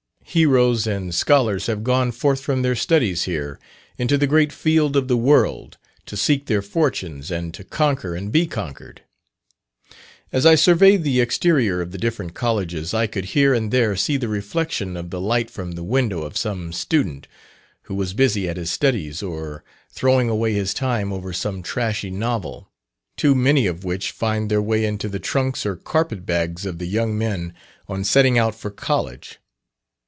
Heroes and scholars have gone forth from their studies here, into the great field of the world, to seek their fortunes, and to conquer and be conquered. As I surveyed the exterior of the different Colleges, I could here and there see the reflection of the light from the window of some student, who was busy at his studies, or throwing away his time over some trashy novel, too many of which find their way into the trunks or carpet bags of the young men on setting out for College.